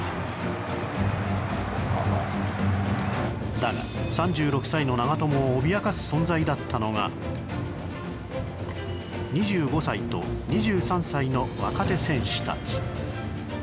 だが、３６歳の長友を脅かす存在だったのが２５歳と２３歳の若手選手たち。